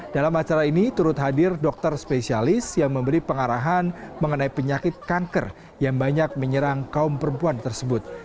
dalam acara ini turut hadir dokter spesialis yang memberi pengarahan mengenai penyakit kanker yang banyak menyerang kaum perempuan tersebut